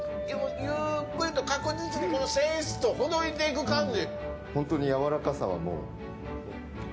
ゆっくりと確実に繊維質をほどいていく感じ。